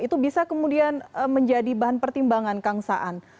itu bisa kemudian menjadi bahan pertimbangan kang saan